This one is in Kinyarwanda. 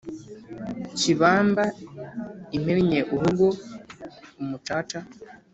Kibamba imennye urugo.-Umucaca.